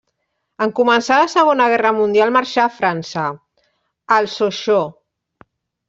En començar la Segona Guerra Mundial marxà a França, al Sochaux.